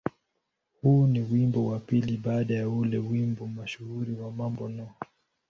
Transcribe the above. Huu ni wimbo wa pili baada ya ule wimbo mashuhuri wa "Mambo No.